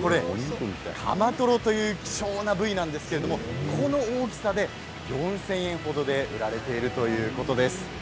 かまとろという貴重な部位なんですけどこの大きさで４０００円程で売られているということです。